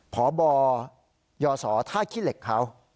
พบยศท่าคิเล็กเขา